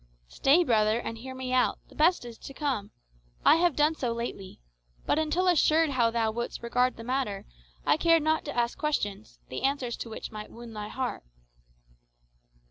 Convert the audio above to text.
"Stay, brother, and hear me out; the best is to come. I have done so lately. But until assured how thou wouldst regard the matter, I cared not to ask questions, the answers to which might wound thy heart."